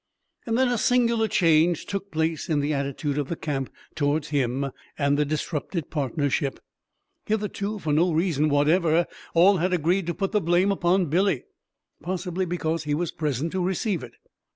And then a singular change took place in the attitude of the camp towards him and the disrupted partnership. Hitherto, for no reason whatever, all had agreed to put the blame upon Billy possibly because he was present to receive it.